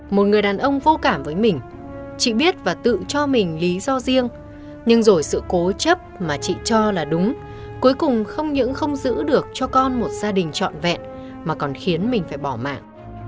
một người đàn ông vô cảm với mình chị biết và tự cho mình lý do riêng nhưng rồi sự cố chấp mà chị cho là đúng cuối cùng không những không giữ được cho con một gia đình trọn vẹn mà còn khiến mình phải bỏ mạng